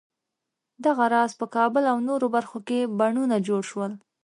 دغه راز په کابل او نورو برخو کې بڼونه جوړ شول.